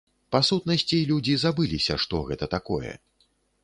Па-сутнасці, людзі забыліся, што гэта такое.